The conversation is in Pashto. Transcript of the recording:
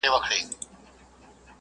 کار د فکر ځواک کاروي.